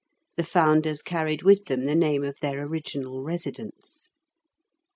The founders carried with them the name of their original residence.